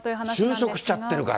就職しちゃってるから。